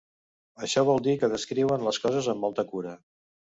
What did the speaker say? Això vol dir que descriuen les coses amb molta cura.